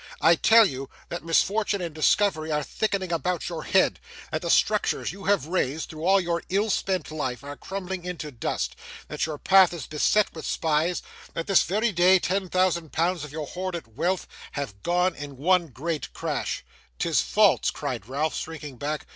I tell you, that misfortune and discovery are thickening about your head; that the structures you have raised, through all your ill spent life, are crumbling into dust; that your path is beset with spies; that this very day, ten thousand pounds of your hoarded wealth have gone in one great crash!' ''Tis false!' cried Ralph, shrinking back.